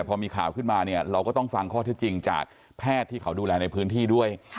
พอมีข่าวขึ้นมาเนี่ยเราก็ต้องฟังข้อเท็จจริงจากแพทย์ที่เขาดูแลในพื้นที่ด้วย